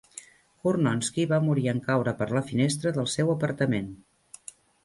Curnonsky va morir en caure per la finestra del seu apartament.